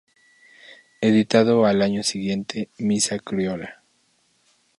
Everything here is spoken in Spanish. Editada al año siguiente, "Misa Criolla.